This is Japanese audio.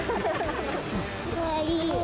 かわいい。